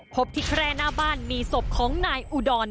พบที่แคร่หน้าบ้านมีศพของนายอุดร